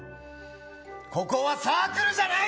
ここはサークルじゃない！